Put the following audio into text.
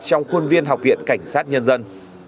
trong khuôn viên học viện cảnh sát nhân dân